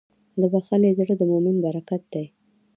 د بښنې زړه د مؤمن برکت دی.